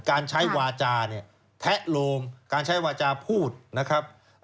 การใช้วาจาเนี่ยแพะโลมการใช้วาจาพูดนะครับ